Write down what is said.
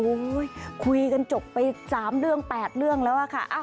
โอ้โหคุยกันจบไป๓เรื่อง๘เรื่องแล้วอะค่ะ